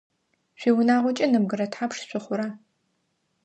Шъуиунагъокӏэ нэбгырэ тхьапш шъухъура?